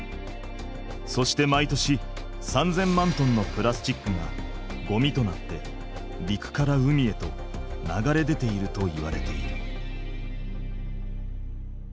そして毎年３０００万トンのプラスチックがごみとなって陸から海へと流れ出ているといわれている。